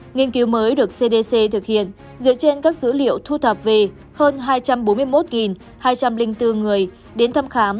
nghiên cứu mới được cdc thực hiện dựa trên các dữ liệu thu thập về hơn hai trăm bốn mươi một hai trăm linh bốn người đến thăm khám